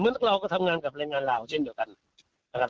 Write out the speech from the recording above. เราก็ทำงานกับแรงงานลาวเช่นเดียวกันนะครับ